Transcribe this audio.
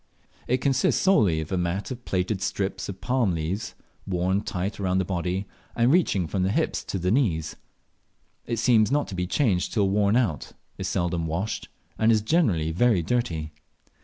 It consists solely of a mat of plaited strips of palm leaves, worn tight round the body, and reaching from the hips to the knees. It seems not to be changed till worn out, is seldom washed, and is generally very dirty.